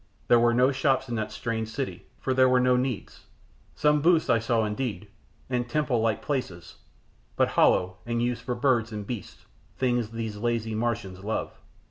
There were no shops in that strange city, for there were no needs; some booths I saw indeed, and temple like places, but hollow, and used for birds and beasts things these lazy Martians love.